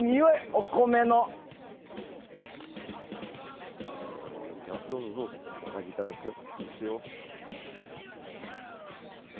お先いただくよ。